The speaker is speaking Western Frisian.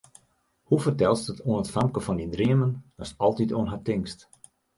Hoe fertelst it oan it famke fan dyn dreamen, datst altyd oan har tinkst?